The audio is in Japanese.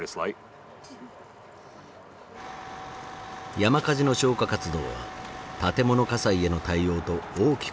山火事の消火活動は建物火災への対応と大きく異なる。